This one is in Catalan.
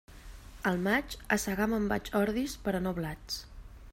Al maig, a segar me'n vaig ordis però no blats.